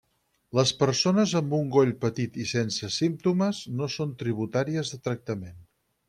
Les persones amb un goll petit i sense símptomes no són tributàries de tractament.